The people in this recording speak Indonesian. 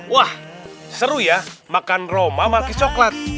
wah seru ya makan roma marki coklat